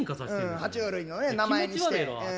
は虫類の名前にして。